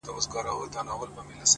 o چي لــه ژړا سره خبـري كوم؛